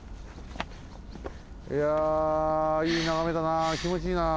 いやいいながめだなきもちいいな。